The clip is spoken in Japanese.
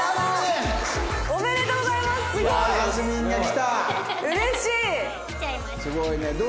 すごいね。